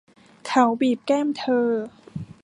เขาบีบแก้มเธอ